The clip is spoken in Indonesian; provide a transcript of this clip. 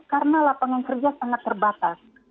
karena lapangan kerja sangat terbatas